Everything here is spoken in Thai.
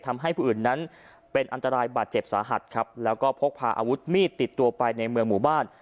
ทำให้ผู้อื่นนั้นเป็นอันตรายบาดเจ็บสาหัสครับแล้วก็พกพาอาวุธมีดติดตัวไปในเมืองหมู่บ้าน